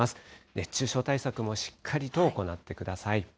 熱中症対策もしっかりと行ってください。